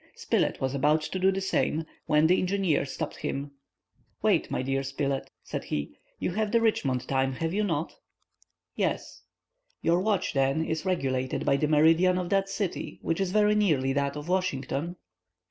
Spilett was about to do the same, when the engineer stopped him. "Wait, my dear Spilett," said he. "You have the Richmond time, have you not?" "Yes." "Your watch, then, is regulated by the meridian of that city, which is very nearly that of Washington?"